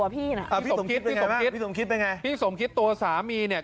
พี่สมคิตเป็นไงพี่สมคิตตัวสามีเนี่ย